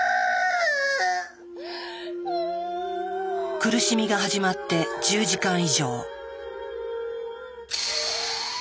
苦しみが始まって１０時間以上。